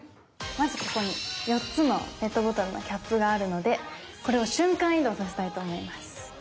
まずここに４つのペットボトルのキャップがあるのでこれを瞬間移動させたいと思います。